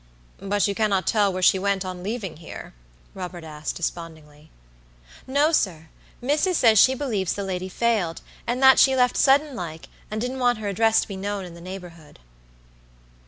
"But you cannot tell where she went on leaving here?" Robert asked, despondingly. "No, sir; missus says she believes the lady failed, and that she left sudden like, and didn't want her address to be known in the neighborhood."